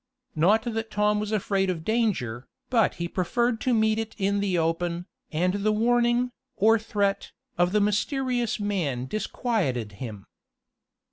Not that Tom was afraid of danger, but he preferred to meet it in the open, and the warning, or threat, of the mysterious man disquieted him.